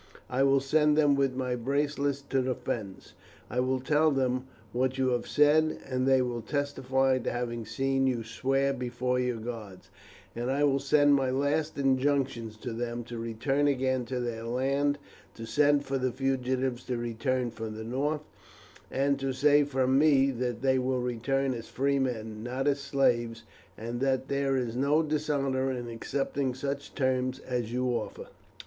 I will send them with my bracelet to the Fens. I will tell them what you have said, and they will testify to having seen you swear before your gods; and I will send my last injunctions to them to return again to their land, to send for the fugitives to return from the north, and to say from me that they will return as free men, not as slaves, and that there is no dishonour in accepting such terms as you offer."